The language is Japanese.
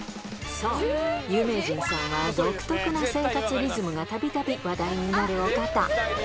そう、有名人さんは独特な生活リズムがたびたび話題になるお方。